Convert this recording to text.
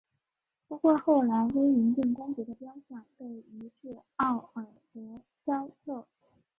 不过后来威灵顿公爵的雕像被移至奥尔德肖特。